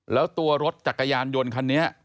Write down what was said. แล้วตัวรถจักรยานยนต์คันนี้